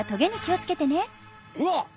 うわっ！